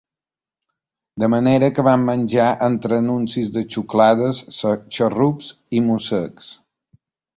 De manera que vam menjar entre anuncis de xuclades, xarrups i mossecs.